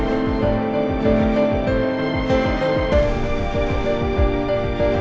sa bangun sa bu bu tolong bu